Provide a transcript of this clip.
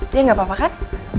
dia nggak apa apa kan